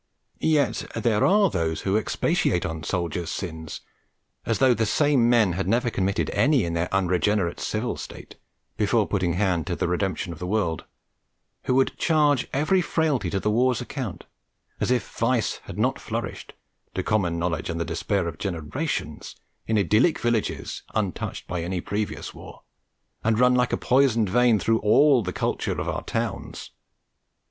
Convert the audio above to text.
Yet there are those who expatiate on soldiers' sins as though the same men had never committed any in their unregenerate civil state, before putting hand to the redemption of the world; who would charge every frailty to the war's account, as if vice had not flourished, to common knowledge and the despair of generations, in idyllic villages untouched by any previous war, and run like a poisoned vein through all the culture of our towns.